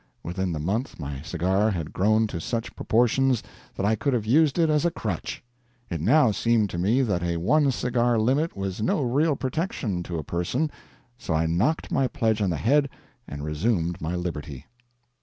Within the month my cigar had grown to such proportions that I could have used it as a crutch. It now seemed to me that a one cigar limit was no real protection to a person, so I knocked my pledge on the head and resumed my liberty.